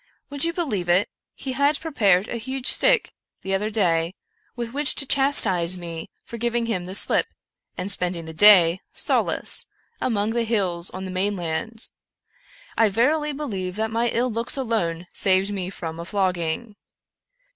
Would you believe it? — he had prepared 131 American Mystery Stories a huge stick, the other day, with which to chastise me for giving him the sHp, and spending the day, solus, among the hills on the mainland. I verily believe that my ill looks alone saved me a flogging.